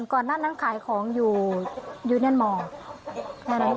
ก่อนนั้นขายของอยู่อยู่แน่นมอร์